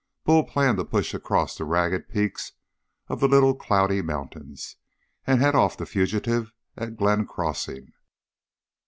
Bull planned to push across the ragged peaks of the Little Cloudy Mountains and head off the fugitive at Glenn Crossing.